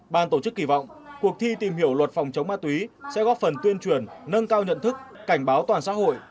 ban tổ chức kỳ vọng cuộc thi tìm hiểu luật phòng chống ma túy sẽ góp phần tuyên truyền nâng cao nhận thức cảnh báo toàn xã hội